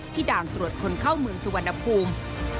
ด่านตรวจคนเข้าเมืองสุวรรณภูมิ